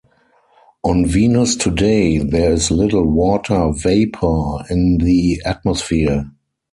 On Venus today there is little water vapor in the atmosphere.